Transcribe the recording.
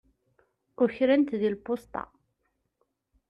Ukren-t di lpusṭa.